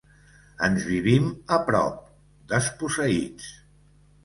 Ens vivim a prop, desposseïts.